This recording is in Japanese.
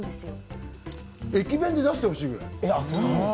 駅弁で出してほしいくらい。